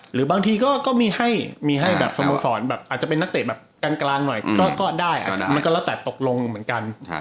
หรือบางทีก็มีให้สโมสรอาจจะเป็นนักเตะกลางหน่อยก็ได้มันก็ตกลงเหมือนกัน